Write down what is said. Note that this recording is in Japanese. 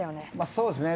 そうですね。